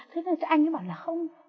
thì anh ấy bảo là không